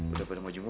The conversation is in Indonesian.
udah pada mau jumuh